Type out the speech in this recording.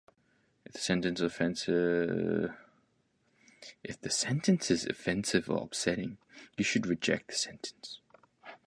If the sentence is offensive or upsetting, you should reject the sentence.